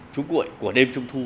chú quệ của đêm trường sinh